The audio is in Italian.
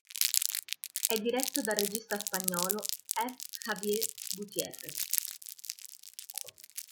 È diretto dal regista spagnolo F. Javier Gutiérrez.